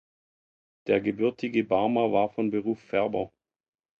Der gebürtiger Barmer war von Beruf Färber.